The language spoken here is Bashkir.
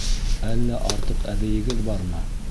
Әллә артыҡ әбейегеҙ бармы?